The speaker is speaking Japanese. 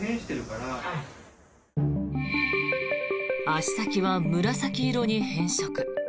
足先は紫色に変色。